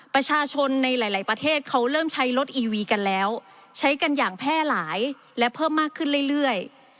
ประชาชนในหลายประเทศเขาเริ่มใช้รถอีวีกันแล้วใช้กันอย่างแพร่หลายและเพิ่มมากขึ้นเรื่อย